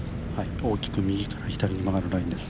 大きく右から左に曲がるラインです。